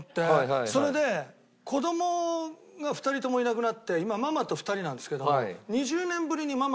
それで子供が２人ともいなくなって今ママと２人なんですけども。